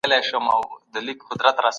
اختلاف بايد د دښمنۍ لامل نه سي.